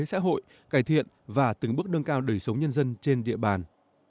xã hội cải thiện và từng bước nâng cao đời sống nhân dân trên địa bàn